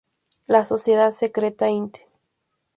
La Sociedad Secreta intent.